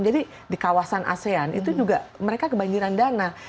jadi di kawasan asean itu juga mereka kebanjiran dana